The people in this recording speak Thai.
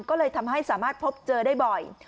ก็เลยทำให้สามารถพบเจอได้บ่อย